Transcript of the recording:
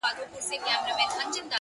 خو هغه نجلۍ ټوله مست سرور دی د ژوند”